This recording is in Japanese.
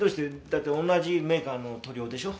だって同じメーカーの塗料でしょ？